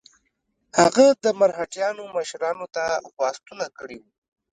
هغه د مرهټیانو مشرانو ته خواستونه کړي وه.